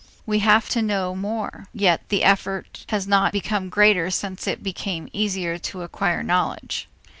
We have to know more: yet the effort has not become greater since it has become easier to acquire knowledge.